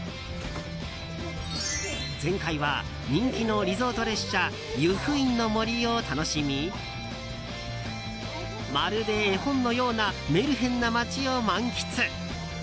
前回は人気のリゾート列車「ゆふいんの森」を楽しみまるで絵本のようなメルヘンな街を満喫。